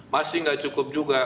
masih tidak cukup juga